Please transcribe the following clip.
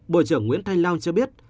bộ trưởng nguyễn thanh long cho biết